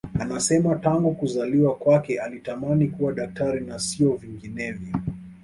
Anasema tangu kuzaliwa kwake alitamani kuwa daktari na sio vinginevyo